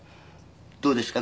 どうですか？